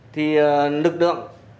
thì lực lượng